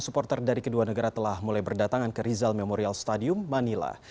supporter dari kedua negara telah mulai berdatangan ke rizal memorial stadium manila